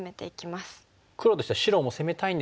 黒としては白も攻めたいんですけども